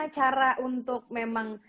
cara untuk memang